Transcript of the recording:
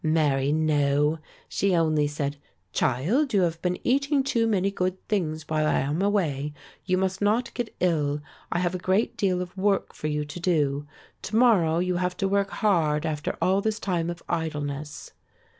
"Marry no, she only said, 'Child, you have been eating too many good things while I am away; you must not get ill; I have a great deal of work for you to do. To morrow you have to work hard after all this time of idleness.